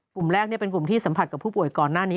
กลุ่มแรกเป็นกลุ่มที่สัมผัสกับผู้ป่วยก่อนหน้านี้